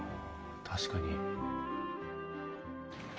確かに。